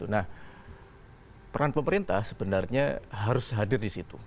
nah peran pemerintah sebenarnya harus hadir di situ